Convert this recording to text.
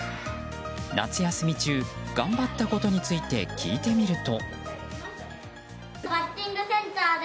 夏休み中、頑張ったことについて聞いてみると。